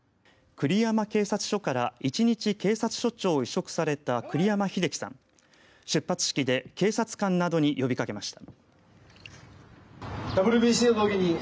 栗山警察署から一日警察署長を委嘱された栗山英樹さん出発式で警察官などに呼び掛けました。